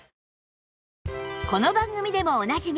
この番組でもおなじみ